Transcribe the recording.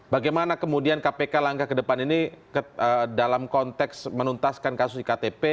bagaimana kemudian kpk langkah ke depan ini dalam konteks menuntaskan kasus iktp